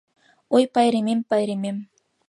Ой, пайремем, пайремем